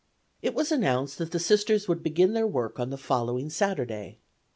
It was announced that the Sisters would begin their work on the following Saturday.